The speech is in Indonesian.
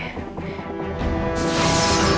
kau akan mengetahuinya